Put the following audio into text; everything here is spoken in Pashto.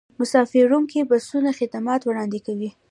مسافروړونکي بسونه خدمات وړاندې کوي